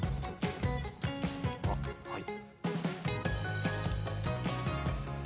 あっはい。